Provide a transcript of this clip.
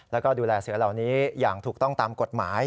แล้วก็ดูแลเสือเหล่านี้อย่างถูกต้องตามกฎหมาย